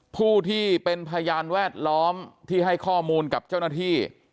ผู้ที่เป็นพยานแวดล้อมที่ให้ข้อมูลกับเจ้าหน้าที่